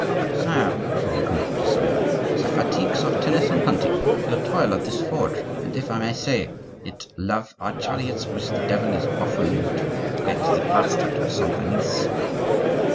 "Sire," said the Comte de Solern, "the fatigues of tennis and hunting, your toil at this forge, and—if I may say it—love, are chariots which the devil is offering you to get the faster to Saint Denis."